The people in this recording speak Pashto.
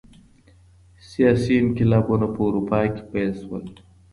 سیاسي انقلابونه په اروپا کي پیل سول.